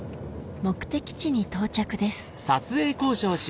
目的地に到着です